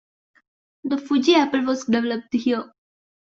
The Fuji apple was developed here.